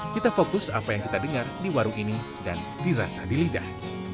kita fokus apa yang kita dengar di warung ini dan dirasa di lidah